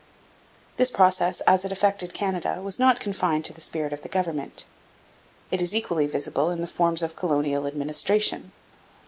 This process as it affected Canada was not confined to the spirit of government. It is equally visible in the forms of colonial administration.